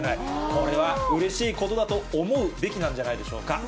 これはうれしいことだと思うべきなんじゃないでしょうか。